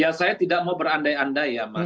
ya saya tidak mau berandai andai ya mas